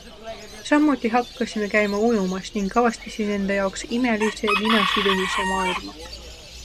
Samuti hakkasime käima ujumas ning avastasin enda jaoks imelise linasidumise maailma.